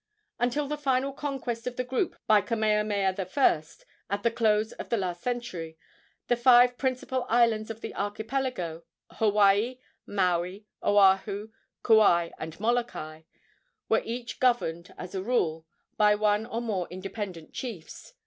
Until the final conquest of the group by Kamehameha I. at the close of the last century, the five principal islands of the archipelago Hawaii, Maui, Oahu, Kauai and Molokai were each governed, as a rule, by one or more independent chiefs.